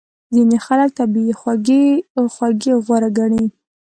ځینې خلک طبیعي خوږې غوره ګڼي.